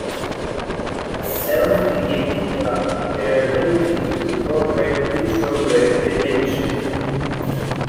As cells begin to die, their ability to incorporate neutral red diminishes.